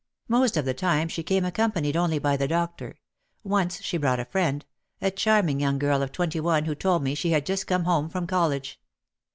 Most of the time she came accompanied only by the doctor ; once she brought a friend, a charming young girl of twenty one who told me she had just come home from college.